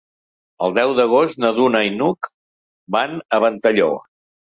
El deu d'agost na Duna i n'Hug van a Ventalló.